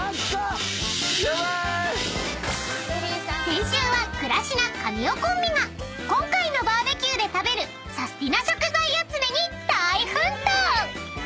［先週は倉科神尾コンビが今回のバーベキューで食べるサスティな食材集めに大奮闘！］